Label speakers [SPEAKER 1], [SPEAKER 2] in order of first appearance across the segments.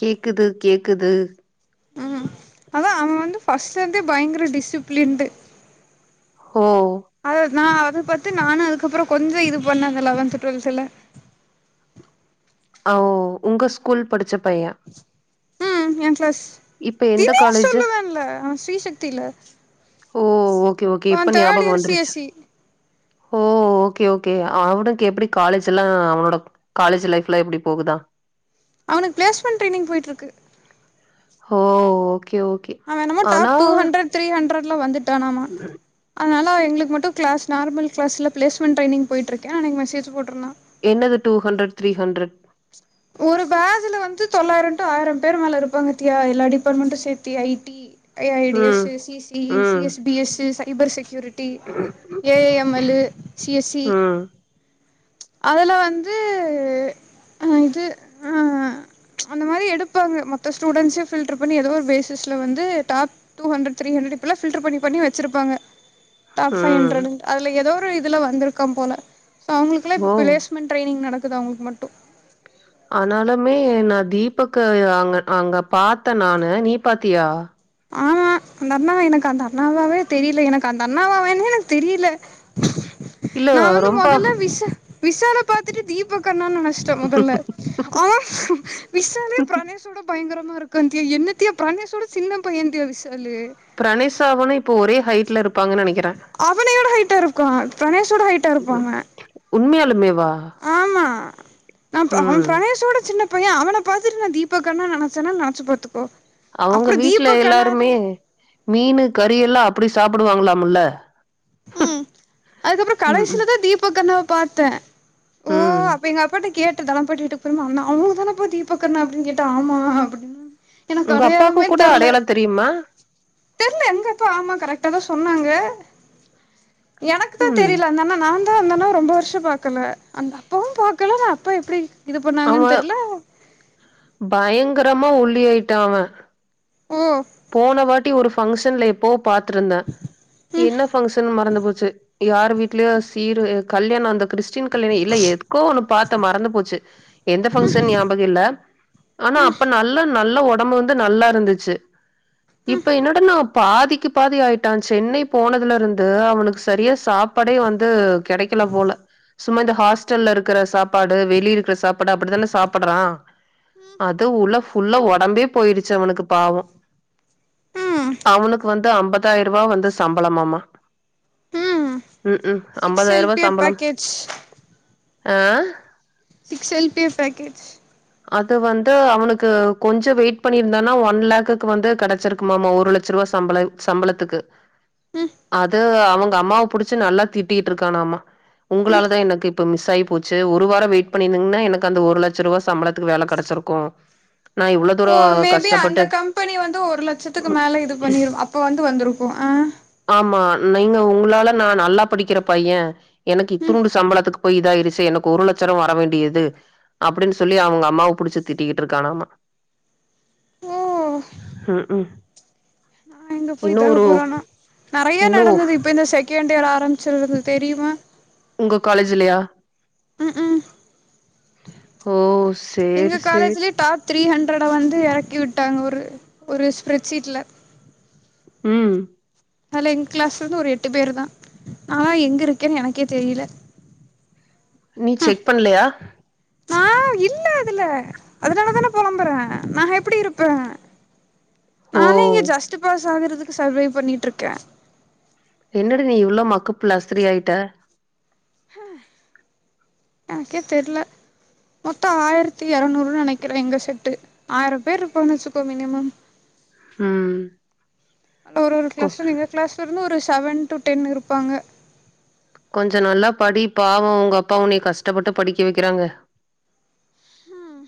[SPEAKER 1] கேக்குது கேக்குது
[SPEAKER 2] அதா அவ அவன் வந்து ஃபர்ஸ்ட்ல இருந்தே பயங்கர டிசிபிளின்டு
[SPEAKER 1] ஓ
[SPEAKER 2] அத நா அத பத்தி நானு அதுக்கப்புற கொஞ்சோ இது பண்ணேந்த லவன்த் டுவெல்த்துல
[SPEAKER 1] அஓ உங்க ஸ்கூல் படிச்ச பைய
[SPEAKER 2] யா கிளாஸ்
[SPEAKER 1] இப்ப எந்த
[SPEAKER 2] தினேஷ்
[SPEAKER 1] காலேஜு
[SPEAKER 2] சொல்லுவன்ல அவ ஸ்ரீசக்தில
[SPEAKER 1] ஓ ஓகே ஓகே
[SPEAKER 2] அவ
[SPEAKER 1] இப்ப
[SPEAKER 2] தேர்ட்
[SPEAKER 1] ஞாபகோ
[SPEAKER 2] இயர் சி
[SPEAKER 1] வந்துருச்சு
[SPEAKER 2] எஸ் சி
[SPEAKER 1] ஓ ஓகே ஓகே அவனுக்கு எப்டி காலேஜெல்லா அவனோட காலேஜ் லைஃப்லா எப்டி போகுதா
[SPEAKER 2] அவுனுக் பிளேஸ்மென்ட் ட்ரேனிங் போயிட்டுருக்கு
[SPEAKER 1] ஓ ஓகே ஓகே
[SPEAKER 2] அவன் என்னம
[SPEAKER 1] ஆனா
[SPEAKER 2] டாப் டூ ஹண்ட்ரட் த்ரீ ஹண்ட்ரட்ல வந்துட்டானாமா அதனால எங்களுக்கு மட்டு கிளாஸ் நார்மல் க்ளாஸுல ப்ளேஸ்மெண்ட் ட்ரைிங் போய்ட்ருக்கே அன்னிக் மெசேஜ் போட்டுர்ந்தா
[SPEAKER 1] என்னது டூ ஹண்ட்ரட் த்ரீ ஹண்ட்ரட்
[SPEAKER 2] ஒரு பேஜ்ல வந்து தொள்ளாயிரோ டுஆயிர பேரு மேல இருப்பாங்க தியா எல்லா டிபார்ட்மெண்ட்டு சேர்த்தி I T A I T
[SPEAKER 1] ம்
[SPEAKER 2] S C C E C
[SPEAKER 1] ம்
[SPEAKER 2] S P S cyber security A I M L C S C
[SPEAKER 1] ம்
[SPEAKER 2] அதுல வந்த அ இது ஆ அந்த மாரி எடுப்பாங்க மொத்த ஸ்டூடெண்ட்ஸ ஃபில்டர் பண்ணி ஏதோ ஒரு பேசிஸ்ல வந்து top two hundred three hundred இப்டில்லா ஃபில்டர் பண்ணி பண்ணி வச்சிருப்பங்க டாப் ஃபைவ்
[SPEAKER 1] ம்
[SPEAKER 2] ஹண்டரடு அதுல ஏதோ ஒரு இதுல வந்திருக்கான் போல சோ அவுங்ளுக்குல்லா
[SPEAKER 1] ஓ
[SPEAKER 2] இப் மன் ட்ரேனிங் நடக்குது அவுங்களுக்கு மட்டு
[SPEAKER 1] ஆனாலுமே நா தீபக்க அங்க அங்க பாத்தே நானு நீ பாத்தியா
[SPEAKER 2] ஆமா அந்தண்ணா எனக்கு அந்த அண்ணாவாவே தெரில எனக்கு அந்தண்ணாவாவேன்னு எனக்கு தெரியல
[SPEAKER 1] இல்ல
[SPEAKER 2] நா வந்து
[SPEAKER 1] ரொம்ப
[SPEAKER 2] மொதல்ல விஷ விஷால பாத்துட்டு தீபக்கண்ணான் நெனச்ட்டே மொதல்ல ஆ விஷாலே பிரனேஷோட பயங்கரமா இருக்கா தியா என்னத்தியா பிரனேஷோட சின்ன பைய தியா விசாலு
[SPEAKER 1] பிரனேஷவனு இப்ப ஒரே ஹைட்ல இருப்பாங்கன்னு நெனக்கிறே
[SPEAKER 2] அவனயோட ஹைட்டாருக்கா பிரணேஷோட ஹைட்டாருப்பாவ
[SPEAKER 1] உண்மையாலுமேவா
[SPEAKER 2] ஆமா நா அவ
[SPEAKER 1] ம்
[SPEAKER 2] பிரணேஷோட சின்னப் பைய அவன பாத்துட்டு நா தீபக்கண்ணானு நெனச்சனா நெனச்சு பாத்துக்கோ
[SPEAKER 1] அவுங்க
[SPEAKER 2] அப்றோ
[SPEAKER 1] வீட்ல
[SPEAKER 2] தீபக்
[SPEAKER 1] எல்லாருமே
[SPEAKER 2] அண்ணாது
[SPEAKER 1] மீனு கறியெல்லா அப்டி சாப்டுவாங்களாமுல்ல
[SPEAKER 2] ம் அதுக்கப்றோ
[SPEAKER 1] ம் ம்
[SPEAKER 2] கடைசிலதா தீபக்கண்ணாவ பாத்தே ஓ
[SPEAKER 1] ம்
[SPEAKER 2] அப்ப எங்க அப்பாட்ட கேட்டு தனொ பாட்டி வீட்டுக் அப்றமா அண்ணா அவுங்க தானப்ப தீபக்கண்ணா அப்டின்னு கேட்டா ஆமா அப்டின்
[SPEAKER 1] உங்க அப்பாக்கு கூட அடையாள தெரியுமா
[SPEAKER 2] தெர்ல எங்கப்பா ஆமா கரெக்ட்டாதா சொன்னாங்க எனக்குதா
[SPEAKER 1] ம்
[SPEAKER 2] தெரில அந்தண்ணனான் அந்தணாவ ரொம்ப வருஷ பாக்கல அந்த அப்பாவு பாக்கல ஆனா அப்பா எப்டி இது
[SPEAKER 1] அவ
[SPEAKER 2] பண்ணாங்கன்னு தெர்ல
[SPEAKER 1] பயங்கரமா ஒல்லியாய்ட்டா அவன்
[SPEAKER 2] ஓ
[SPEAKER 1] போன வாட்டி ஒரு ஃபங்க்ஷன்ல எப்போ பாத்துருந்தே
[SPEAKER 2] ம்
[SPEAKER 1] என்ன ஃபங்ஷன் மறந்து போச்சு யாரு வீட்டுலயோ சீரு கல்யாணோ அந்த கிருஷ் ஷ்டின் கல்யாணோ இல்ல எதுக்கோ ஒன்னு பாத்த மறந்து போச்சு எந்த ஃபங்கஷன் ஞாபகொ இல்ல ஆனா
[SPEAKER 2] ம்
[SPEAKER 1] அப்ப நல்ல நல்லா ஒடம்பு வந்து நல்லாருந்துச்சு
[SPEAKER 2] ம்
[SPEAKER 1] இப்ப என்னடனாப் பாதிக்கி பாதியாயிட்டா சென்னை போனதுலருந்து அவனுக்கு சரியா சாப்பாடே வந்து கெடைக் கல போல சும்மா இந்த ஹாஸ்டல்ல இருக்குற சாப்பாடு வெளிருக்குற சாப்பாடு அப்டித்தான சாப்புட்றா அது உள்ள ஃபுல்லா ஒடம்பே போயிருச்சு அவனுக்கு பாவோ
[SPEAKER 2] ம் ம்
[SPEAKER 1] அவுனுக்கு வந்து அம்பதாயருவா வந்து சம்பளமாம்மா
[SPEAKER 2] ம்
[SPEAKER 1] ம் ம்
[SPEAKER 2] சிக்ஸ் எல்
[SPEAKER 1] அம்பதாயருவா
[SPEAKER 2] பி ஏ
[SPEAKER 1] சம்பளம்
[SPEAKER 2] பேக்கேஜ்
[SPEAKER 1] ஆ
[SPEAKER 2] six L P F package
[SPEAKER 1] அது வந்து அவனுக்கு கொஞ்ச வெயிட் பண்ணிருந்தானா ஒன் லேக்குக்கு வந்து கெடச்சிருக் ஆமா ஆமா ஒரு லக்ச ருவா சம்பள சம்பளத்துக்கு
[SPEAKER 2] ம் ம்
[SPEAKER 1] அது அவுங்க அம்மாவ புடுச்சு நல்லா திட்டிகிட்டு இருக்கானாம்மா உங்களாலதா எனக்கு இப்ப மிஸ் ஆயி போச்சு ஒரு வாரோ வெயிட் பண்ணியிருந்தங்கன்னா எனக்கு அந்த ஒரு லெட்ச ருவா சம்பளத்துக்கு வேல கெடச்சுருக்கு
[SPEAKER 2] ஓ மேபி அந்த கம்பெனி வந்து ஒரு லெச்சத்துக்கு மேல இது பண்ணிரு அப்ப வந்து வந்துருக்கு அ
[SPEAKER 1] ஆமா நீங்க உங்களால நா நல்லா படிக்கிற பையெ எனக்கு
[SPEAKER 2] ம்
[SPEAKER 1] இத்துனூண்டு சம்பளத்துக்கு போய் இதாயிருச்செ எனக்கு ஒரு லெச்சரொ வர வேண்டியது அப்டின் சொல்லி அவுங்க அம்மாவ புடுச்சு திட்டிக்கிட்டு இருக்கானாம்மா
[SPEAKER 2] [unintelligible]
[SPEAKER 1] ம் ம்
[SPEAKER 2] நா எங்க போய்
[SPEAKER 1] இன்னு
[SPEAKER 2] இதாக
[SPEAKER 1] ஒரு
[SPEAKER 2] போறானோ நெறயா
[SPEAKER 1] இன்னு
[SPEAKER 2] நடந்தது இப்ப இந்த செகெண்ட் இயர் ஆரம்பிச்சருந்து தெரியுமா
[SPEAKER 1] உங்க காலேஜ்லயா
[SPEAKER 2] ம் ம்
[SPEAKER 1] ஓ
[SPEAKER 2] எங்க
[SPEAKER 1] சேரி சேரி
[SPEAKER 2] காலேஜ்லே டாப் த்ரீ ஹண்ட்ரட வந்து எறக்கி விட்டாங்க ஒரு ஒரு ஸ்ப்ரெட்ஷீட்ல
[SPEAKER 1] ம்
[SPEAKER 2] அதல எங்க கிளாஸ்லர்ந்து ஒரு எட்டு பேரு தா நாளா எங்க இருக்கேனு எனக்கே தெரியல
[SPEAKER 1] நீ
[SPEAKER 2] ம்
[SPEAKER 1] செக் பண்ணலயா
[SPEAKER 2] நா இல்ல அதுல அதுனாலதான பொலம்புறே நா எப்டி இருப்பே
[SPEAKER 1] ஓ
[SPEAKER 2] ஜஸ்டு பாஸ் ஆகுறதுக்கு சர்வே பண்ணிட்ருக்கே
[SPEAKER 1] என்னடி நீ இவ்ளோ மக்கு பிளாஸ்த்ரீ ஆயிட்ட
[SPEAKER 2] அ எனக்கே தெர்ல மொத்தோ ஆயிரத்தி எரநூறுன்னு நெனக்கிறே எங்க செட்டு ஆயரொ பேர் இருப்போம்னு வச்சுக்கோ மினிமம்
[SPEAKER 1] ம்
[SPEAKER 2] ஒரு ஒரு
[SPEAKER 1] கொ
[SPEAKER 2] கிளாஸ்லந்து எங்க கிளாஸ்லருந்து ஒரு செவென் டு டென் இருப்பாங்க
[SPEAKER 1] கொஞ்சொ நல்லா படி பாவோ உங்க அப்பா உன்னய கஷ்டப்பட்டு படிக்க வக்கிறாங்க
[SPEAKER 2] ம்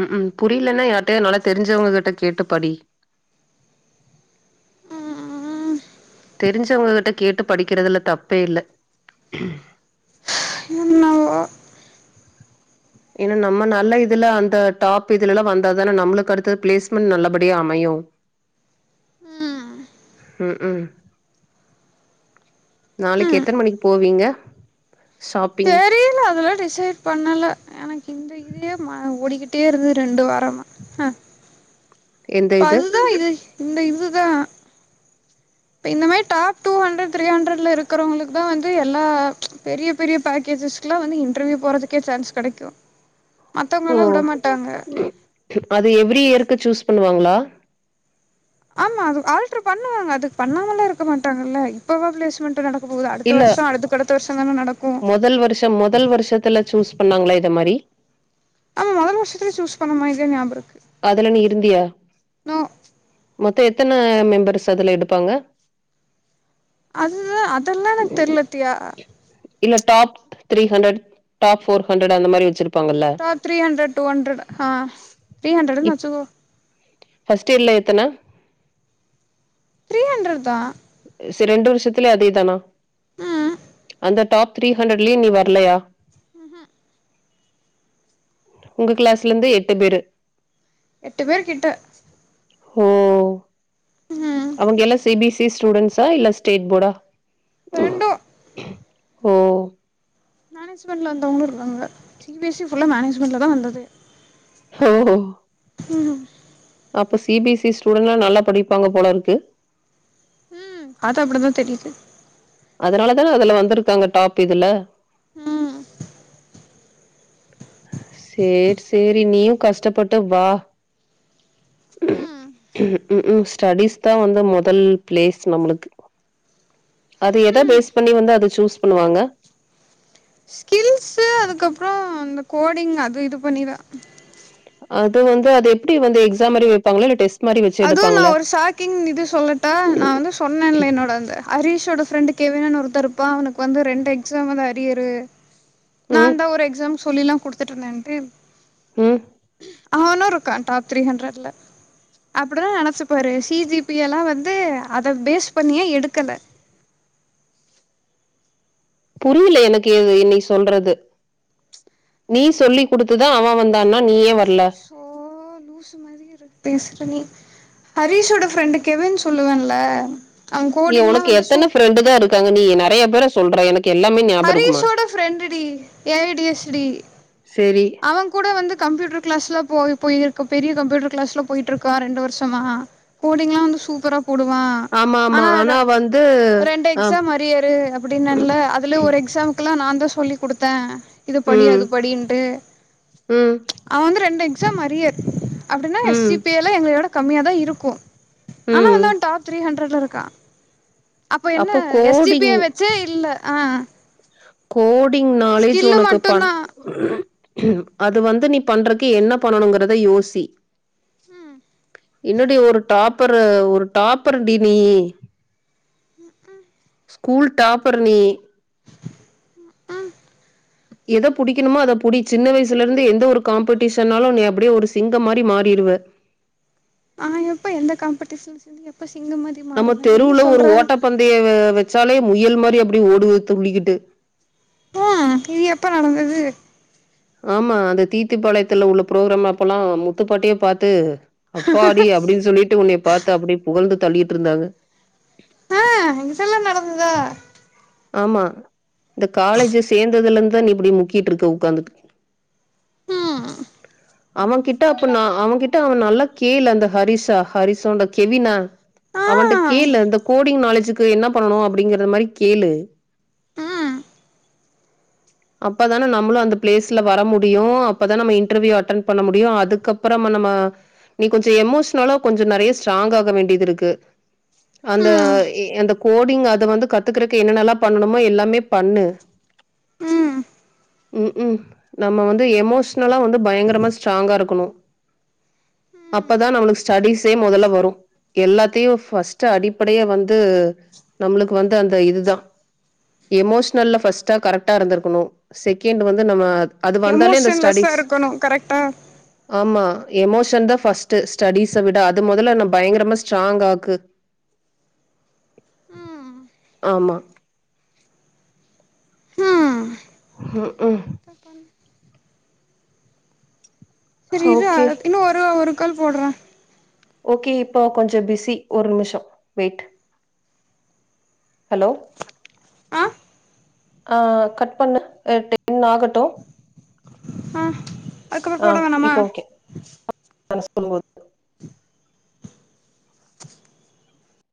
[SPEAKER 1] ம் ம் புரியலன்னா யார்ட்டயாது நல்லா தெருஞ்சவங்க கிட்ட கேட்டு படி
[SPEAKER 2] ம்
[SPEAKER 1] தெரிஞ்சவங்ககிட்ட கேட்டு படிக்குறதுல தப்பே இல்ல
[SPEAKER 2] அ ஓ
[SPEAKER 1] ஏனா நம்ம நல்ல இதுல அந்த டாப் இதுலல்லா வந்தா தான நம்ளுக்கு அடுத்த பிளேஸ்மெண்ட் நல்லபடியா அமையு
[SPEAKER 2] [unintelligible]
[SPEAKER 1] ம் ம் நாளைக்கு
[SPEAKER 2] ம்
[SPEAKER 1] எத்தன மணிக்கு போவீங்க ஷாப்பிங்
[SPEAKER 2] இல்ல அதெலா டிசைட் பண்ணல எனக்கு இந்த இதே ம ஓடிக்கிட்டே இருந்தது ரெண்டு வாரமா அ ப்ப அதுதா இது இந்த இதுதா ப இந்த மாரி டாப் டூ ஹண்ட்ரட் த்ரீ ஹண்ட்ரட்ல இருக்குறவுங்ளுக்குதா வந்து எல்லா பெரிய பெரிய பேக்கேஜஸ் க்லா வந்து இன்டர்வியூ போறதுக்கே சான்ஸ் கடைக்கு
[SPEAKER 1] ஓ அது எவ்ரி இயர்க்கு சூஸ் பண்ணுவாங்ளா
[SPEAKER 2] ஆமா அது ஆல்ட்ரு பண்ணுவாங்க அது பண்ணாமல்லா இருக்க மாட்டாங்கல்ல இப்பவா ப்ளேஸ்மண்ட்டு நடக் போது அடுத்த
[SPEAKER 1] இல்ல
[SPEAKER 2] வருஷ அடுதுக் அடுத்த வருஷ தான நடக்கு
[SPEAKER 1] த்த மொதல் வருஷத்துல சூஸ் பண்ணாங்களா இத மாரி
[SPEAKER 2] ஆ மொதல் வர்ஷத்துலே சூஸ் பண்ண மாரி தா ஞாபகருக்கு
[SPEAKER 1] அதுல நீ இருந்தியா மொத்த எத்தன மெம்பர்ஸ் அதுல எடுப்பாங்க
[SPEAKER 2] அதுதா அதல்லா எனக்கு தெர்ல தியா
[SPEAKER 1] இல்ல top three hundred top four hundred அந்த மாரி வச்சிருப்பாங்கல்ல
[SPEAKER 2] தீரீ ஹண்ரட் டூ ஹ்ண்ரட் ஹ தீரீ ஹண்ட்டுனுன் வச்சுக்கோ
[SPEAKER 1] ஃபஸ்ட் இயர்ல எத்தான
[SPEAKER 2] ஹென்ரு தா
[SPEAKER 1] சே ரெண்டு வர்ஷத்லே அதேதானா
[SPEAKER 2] ம்
[SPEAKER 1] இந்த டாப் தீரீ ஹண்டரட்லாயி நீ வர்லயா
[SPEAKER 2] ஹு ஹு
[SPEAKER 1] உங்க க்ளாஸ்லேந்து எட்டு பேரு
[SPEAKER 2] எட்டு பேர் கிட்ட
[SPEAKER 1] ஓ
[SPEAKER 2] ம்
[SPEAKER 1] தி ஸ்டூடண்ஸா இல்ல ஸ்டேட் ஃபோடா
[SPEAKER 2] ரெண்டு
[SPEAKER 1] ஓ
[SPEAKER 2] மேனேஜ்மன்ட்ல வந்தவ்ங்ளு இருக்காங்க எம்பிசி ஃபுல்லா மேனேஜ்மெண்ட்ல தா வந்தது
[SPEAKER 1] ஹோ ஹோ
[SPEAKER 2] ஹுஹு
[SPEAKER 1] அப்ப சிபிசி ஸ்டண்ட்லா நல்லா படிப்பாங்க போலருக்கு
[SPEAKER 2] ம் அப்டு தா தெரிது
[SPEAKER 1] அதனால தான அதுலா வந்துருக்காங்க டாப் இதுலா
[SPEAKER 2] ம்
[SPEAKER 1] சேர் சேரி நீயும் கஷ்ட்டப்பட்டு வா
[SPEAKER 2] ம்
[SPEAKER 1] ம்ம் ஸ்டடிஸ் தா வந்து மொதல் ப்ளேஸ் நம்ளுக்கு அது எத
[SPEAKER 2] ம்
[SPEAKER 1] பேஸ் பண்ணி வந்து அத சூஸ் பண்ணுவாங்க
[SPEAKER 2] ஸ்கில்ஸு அதுக்கப்றோ இந்த கோடிங் அது இது பண்ணிதா
[SPEAKER 1] அது வந்து அது எப்டி வந்து எக்ஸா மரி வெப்பாங்ளா இல்ல டெஸ்
[SPEAKER 2] அதுவு நா ஒரு சாய் கிங் இது சொல்லாட்டா நா வந்து சொன்னேல்லா என்னோட அந்த ஹரிஷோட ஃப்ரெண்ட்டு கெவினுன் ஒருத்தர் பா அவனுக் வந்து ரெண்டு எக்ஸாமத அரியரு
[SPEAKER 1] ம்,
[SPEAKER 2] நாந்தா ஒரு எக்ஸாம் சொல்லிலா குடுத்துட்ருந்தேன்ட்டு
[SPEAKER 1] ம்
[SPEAKER 2] அவனு இருக்கா டாப் தீரீ ஹண்ரட்லா அப்புடிலா நெனச்சு பாரு சிஜிபியலா வந்து அத பேஸ் பண்ணியே எடுக்கல
[SPEAKER 1] புரியிலா எனக்கு ஏது இன்னி சொல்றது நீ சொல்லி் குடுத்துதா அவ வந்தான்னா நீ ஏ வர்ல
[SPEAKER 2] சோ லூசு மாதிரி இதோ பேஸ்ற நீ ஹரீஷோட ஃபரெண்டு கெவின் சொல்லுவேன்ல அவ கோடிங்லா
[SPEAKER 1] உனக்கு
[SPEAKER 2] வந்து
[SPEAKER 1] எத்தன
[SPEAKER 2] சூப்
[SPEAKER 1] ஃப்ரெண்டு தா இருக்காங்க நீ நெறைய பேரு சொல்ற எனக்கு எல்லாமே ஞாபகம் இருக்குமா?
[SPEAKER 2] ஹரீஷோட friend T A I T S T
[SPEAKER 1] செரி
[SPEAKER 2] அவன் கூட வந்து கம்ப்யூட்டர் கிளாஸ்லா போ போய்ருக்க பெரிய கம்ப்யூட்டர் கிளாஸ்லா போய்ட்டுருக்கா ரெண்டு வருஷமா கோடிங்ல்லா வந்து சூப்பரா போடுவான்
[SPEAKER 1] ஆமா ஆமா ஆனா வந்து
[SPEAKER 2] ரெண்டு
[SPEAKER 1] அ
[SPEAKER 2] எக்ஸாம் அரியரு அப்டின்னன்லா அதுல ஒரு எக்ஸாம்க்குல்லா நாந் தா சொல்லி குடுத்தே இது படி
[SPEAKER 1] ம்,
[SPEAKER 2] அது படின்ட்டு
[SPEAKER 1] ம்,
[SPEAKER 2] அவன் வந்து ரெண்டு எக்ஸாம் அரியரு அப்டின்னா எஸ் சி
[SPEAKER 1] ம்,
[SPEAKER 2] பி ஐ ல்லா எங்களோட கம்மியாக தா இருக்கு ஆனா
[SPEAKER 1] ம்.
[SPEAKER 2] அவன் வந்து டாப் த்ரீ ஹண்ட்ரட்ல இருக்கான் அப்ப என்ன
[SPEAKER 1] அப்போ
[SPEAKER 2] எஸ்‌ ஜி பி
[SPEAKER 1] கோடிங்
[SPEAKER 2] ய வச்சி இல்ல ஆ
[SPEAKER 1] கோடிங் நாலேஜ்
[SPEAKER 2] ஸ்கில்லு
[SPEAKER 1] அவனுக்கு பண்
[SPEAKER 2] மட்டும்தான்
[SPEAKER 1] அது வந்து நீ பண்றக்கு என்ன பண்ணணுங்கறது யோசி
[SPEAKER 2] ம்
[SPEAKER 1] என்னடி ஒரு டாப்பரு ஒரு டாப்பரு டி நீயு ஸ்கூல் டாப்பரு நீயு எத புடிக்குமோ அத புடி சின்ன வயசுலாருந்து எந்த ஒரு காம்படிஷனாலு நீ அப்டியே ஒரு சிங்கம் மாரி மாறிடு
[SPEAKER 2] ஆனா எப்ப எந்த காம்படிஷன்லந்து எப்ப சிங்க மாரி
[SPEAKER 1] நம்ம தெருவுல ஒரு ஓட்டப்பந்தயோ வச்சாலே முயல் மாரி அப்டி ஓடுவ துள்ளிக்கி
[SPEAKER 2] ஆ‌ இது எப்ப நடந்தது
[SPEAKER 1] ஆமா அந்த தீத்துப்பாளையத்துல உள்ள புரோக்ராம அப்பல்லா முத்துப்பாட்டியே பாத்து அப்பாடி அப்டினு சொல்லிட்டு உன்னைய பாத்து அப்டியே புகழ்ந்து தள்ளிகிட்டுருந்தாங்க
[SPEAKER 2] ஆ இதெல்லா நடந்ததா
[SPEAKER 1] ஆமா இந்த காலேஜ் சேந்ததுலருந்து தா இப்டி முக்கிட்ருக்க உக்காந்துட்டு
[SPEAKER 2] ம்
[SPEAKER 1] அவன் கிட்ட அப்ப நா அவன்கிட்ட அவ நல்லா கேளு அந்த ஹரிஷா ஹரிஷு அந்த கெவினா
[SPEAKER 2] ஆ
[SPEAKER 1] அவன்ட்ட கேளு அந்த கோடிங் நாலேஜுக்கு என்ன பண்ணனு அப்டிங்கற மாதிரி கேளு
[SPEAKER 2] ம்
[SPEAKER 1] அப்பதான நம்மளு அந்த பிளேஸ்ல வர முடியு அப்பதான நம்ம இன்டர்வியூ அட்டன்ட் பண்ண முடியு அதுக்கப்றோ நம்ம நீ கொஞ்சோ எமோஷ்னலா கொஞ்சோ நெறைய ஸ்ட்ராங்ககாக வேண்டி இருக்கு அந்த அந்த கோடிங் அத வந்து கத்துக்கறக்கு என்னன்னல்லா பண்ணணுமோ எல்லாமே பண்ணு
[SPEAKER 2] ம்
[SPEAKER 1] ம் ம் நம்ம வந்து எமோஷனலா வந்து பயங்கரமா ஸ்ட்ராங்காருக்கணு அப்பதா நம்ளுக்கு ஸ்டடிஸே முதல்ல வரு எல்லாத்தையு ஃபஸ்ட் அடிப்படையே வந்து நம்ளுக்கு வந்து அந்த இதுதா எமோஷனல்ல ஃபஸ்ட்டா கரெக்டாருந்திருக்கணு செகண்ட் வந்து நம்ம அது வந்தாலே இந்த
[SPEAKER 2] எமோஷன் லெஸ்ஸா
[SPEAKER 1] ஸ்டடீஸ்
[SPEAKER 2] இருக்கணு கரெக்ட்டா
[SPEAKER 1] ஆமா எமோஷன் தா ஃபர்ஸ்ட் ஸ்டடிஸ விட அது முதல்ல என் பயங்கரமா ஸ்ட்ராங்காக்கு
[SPEAKER 2] ம்
[SPEAKER 1] ஆமா ம் ம்
[SPEAKER 2] அ செரி இருடா
[SPEAKER 1] ஓகே.
[SPEAKER 2] இன்னு ஒரு ஒரு கால் போட்றே
[SPEAKER 1] ஓகே இப்ப கொஞ்சோ பிஸி ஒரு நிமிஷோ வெயிட் ஹலோ
[SPEAKER 2] ஆ
[SPEAKER 1] ஆ கட் பண்ணு அ டென் ஆகட்டு
[SPEAKER 2] ஆ அதுக்கப்புறோ
[SPEAKER 1] ஆ
[SPEAKER 2] போட வேணாமா
[SPEAKER 1] இப்போ ஓகே ம [unintelligible] போது